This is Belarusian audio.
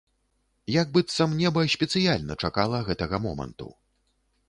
Як быццам неба спецыяльна чакала гэтага моманту.